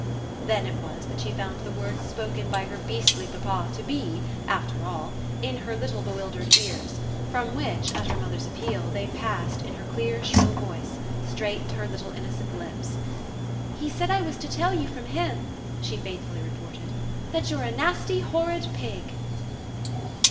Then it was that she found the words spoken by her beastly papa to be, after all, in her little bewildered ears, from which, at her mother's appeal, they passed, in her clear shrill voice, straight to her little innocent lips. "He said I was to tell you, from him," she faithfully reported, "that you're a nasty horrid pig!"